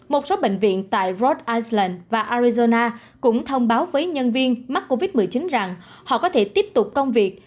một số bệnh viện tại rod iceland và arizona cũng thông báo với nhân viên mắc covid một mươi chín rằng họ có thể tiếp tục công việc